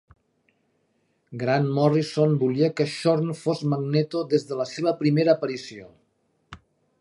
Grant Morrison volia que Xorn fos Magneto des de la seva primera aparició.